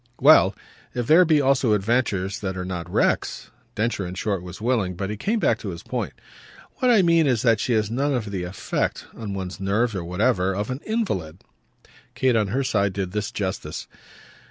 "Well if there be also adventures that are not wrecks!" Densher in short was willing, but he came back to his point. "What I mean is that she has none of the effect on one's nerves or whatever of an invalid." Kate on her side did this justice.